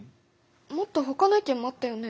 もっとほかの意見もあったよね？